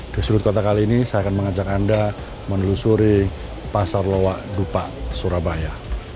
di sudut kota kali ini saya akan mengajak anda menelusuri pasar lowak dupa surabaya